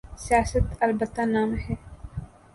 سیاست؛ البتہ نام ہے۔